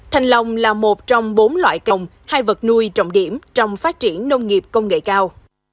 thanh long là một trong bốn loại cồng hai vật nuôi trọng điểm trong phát triển nông nghiệp công nghệ cao